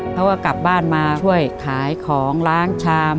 เพราะว่ากลับบ้านมาช่วยขายของล้างชาม